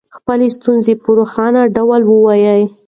خپله ستونزه په روښانه ډول ووایئ.